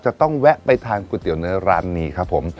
จะต้องแวะไปทานก๋วยเตี๋ยวในร้านนี้ครับผม